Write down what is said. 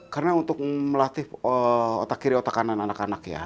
karena untuk melatih otak kiri otak kanan anak anak ya